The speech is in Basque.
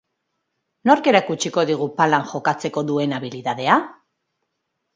Nork erakutsiko digu palan jokatzeko duen abilidadea?